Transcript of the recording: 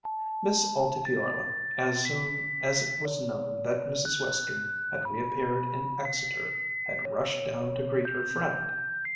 Miss Altifiorla, as soon as it was known that Mrs. Western had reappeared in Exeter, had rushed down to greet her friend.